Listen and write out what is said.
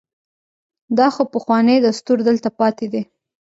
دا خو پخوانی دستور دلته پاتې دی.